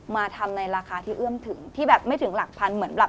มาทำในราคาที่เอื้อมถึงที่แบบไม่ถึงหลักพันเหมือนแบบ